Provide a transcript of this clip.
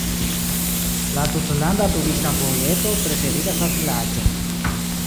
La tutlanda turista vojeto preteriras la vilaĝon.